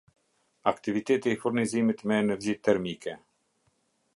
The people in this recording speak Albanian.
Aktiviteti i furnizimit me energji termike.